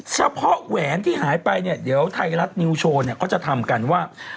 เฉพาะแหวนที่หายไปเดี๋ยวไทยรัฐนิวโชว์เขาจะทำกันว่า